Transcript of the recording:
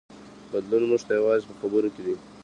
بدلون موږ ته یوازې په خبرو کې دی.